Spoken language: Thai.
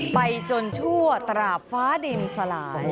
ไปจนชั่วตราบฟ้าดินสลาย